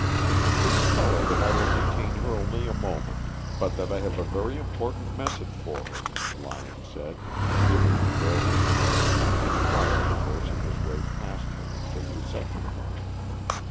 "Please tell her that I will detain her only a moment, but that I have a very important message for her," Lyon said, giving the girl his card and quietly forcing his way past her into the reception room.